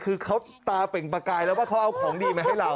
คือเขาตาเปล่งประกายแล้วว่าเขาเอาของดีมาให้เรา